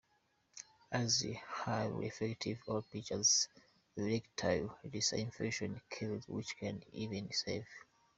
as highly effective all-pure erectile dysfunction cures which can even serve .